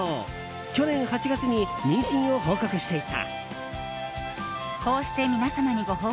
去年８月に妊娠を報告していた。